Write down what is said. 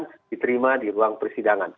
saya mengatakan terima di ruang persidangan